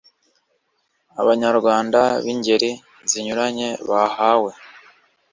abanyarwanda b'ingeri zinyuranye bahawe